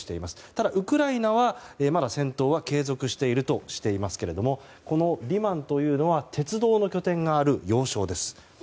ただ、ウクライナはまだ戦闘は継続しているとしていますけどこのリマンというのは鉄道の拠点がある要衝です。